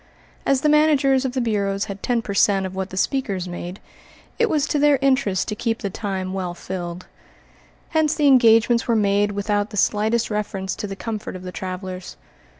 As the managers of the bureaus had ten per cent. of what the speakers made, it was to their interest to keep the time well filled. Hence the engagements were made without the slightest reference to the comfort of the travelers.